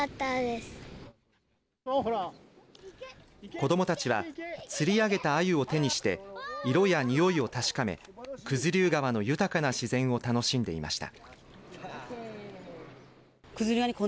子どもたちは釣り上げたアユを手にして色やにおいを確かめ九頭竜川の豊かな自然を楽しんでいました。